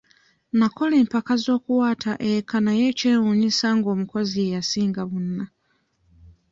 Nakola empaka z'okuwata eka naye kyewuunyisa ng'omukozi ye yasinga bonna.